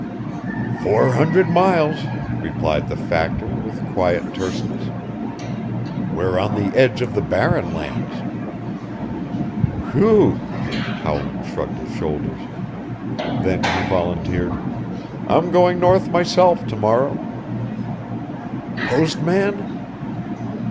"Four hundred miles," replied the factor with quiet terseness. "We're on the edge of the Barren Lands." "Whew!" Howland shrugged his shoulders. Then he volunteered, "I'm going north myself to morrow." "Post man?"